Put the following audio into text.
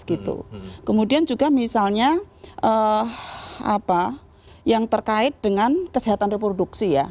kemudian juga misalnya yang terkait dengan kesehatan reproduksi ya